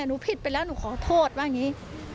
หนูผิดไปแล้วหนูขอโทษว่าอย่างนี้